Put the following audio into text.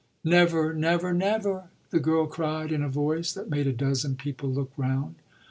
"Never, never, never!" the girl cried in a voice that made a dozen people look round.